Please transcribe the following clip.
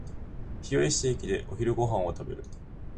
日吉駅でお昼ご飯を食べる